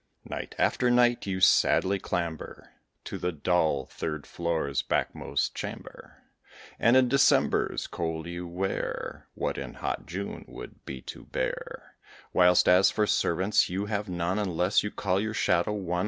Night after night you sadly clamber To the dull third floor's backmost chamber; And in December's cold you wear What in hot June would be too bare; Whilst as for servants, you have none, Unless you call your shadow one.